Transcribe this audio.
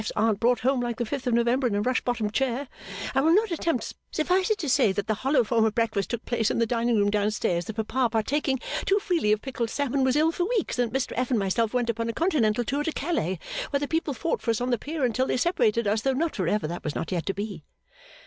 's Aunt brought home like the fifth of November in a rush bottomed chair I will not attempt, suffice it to say that the hollow form of breakfast took place in the dining room downstairs that papa partaking too freely of pickled salmon was ill for weeks and that Mr F. and myself went upon a continental tour to Calais where the people fought for us on the pier until they separated us though not for ever that was not yet to be.